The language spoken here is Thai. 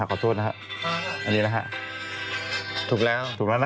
อ้าจะโทรศัพท์ของไทยอ่ะ